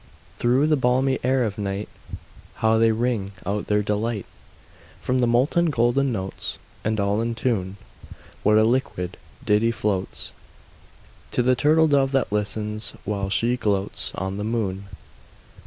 Through the balmy air of night How they ring out their delight!— From the molten golden notes, And all in tune, What a liquid ditty floats To the turtle dove that listens, while she gloats On the moon!